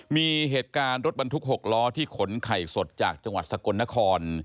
มีเหตุการณ์รถบรรทุก๖ล้อที่ขนไข่สดจากจังหวัดสกลนคร